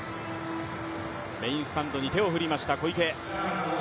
メインスタンドに手を振りました、小池。